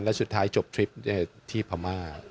แล้วสุดท้ายจบทริปที่พม่า